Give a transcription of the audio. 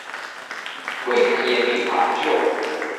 櫃檯也沒法救